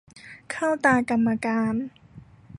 เข้าตากรรมการ